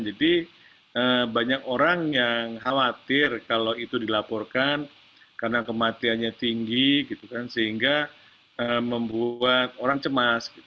jadi banyak orang yang khawatir kalau itu dilaporkan karena kematiannya tinggi gitu kan sehingga membuat orang cemas